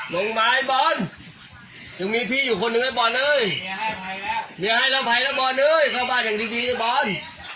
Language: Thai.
ลงมาไอ้บอลยังมีพี่อยู่คนหนึ่งไอ้บอลเลยเมียให้เราไฟแล้วบอลเลยเข้าบ้านอย่างดีไอ้บอล